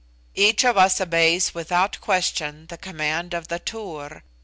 "Each of us obeys without question the command of the Tur.